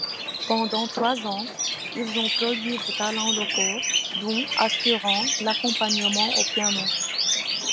Pendant trois ans, ils ont produit des talents locaux, Don assurant l'accompagnement au piano.